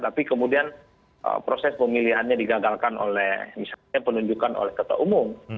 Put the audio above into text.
tapi kemudian proses pemilihannya digagalkan oleh misalnya penunjukan oleh ketua umum